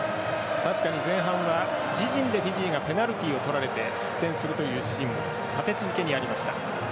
確かに前半は自陣でフィジーがペナルティとられて失点するというシーンが立て続けにありました。